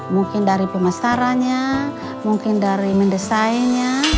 mungkin dari pemesarannya mungkin dari mendesainnya